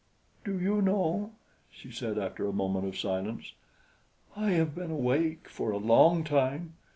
"Do you know," she said after a moment of silence, "I have been awake for a long time!